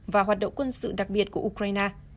và hoạt động quân sự đặc biệt của ukraine